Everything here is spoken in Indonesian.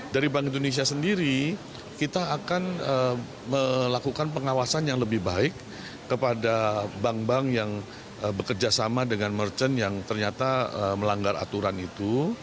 dari bank indonesia sendiri kita akan melakukan pengawasan yang lebih baik kepada bank bank yang bekerja sama dengan merchant yang ternyata melanggar aturan itu